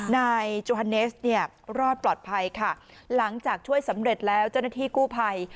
นายจุฮันเนสเนี่ยรอดปลอดภัยค่ะหลังจากช่วยสำเร็จแล้วเจ้าหน้าที่กู้ภัย